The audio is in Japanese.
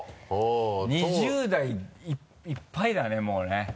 ２０代いっぱいだねもうね。